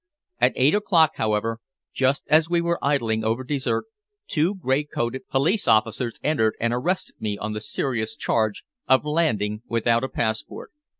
At eight o'clock, however, just as we were idling over dessert, two gray coated police officers entered and arrested me on the serious charge of landing without a passport.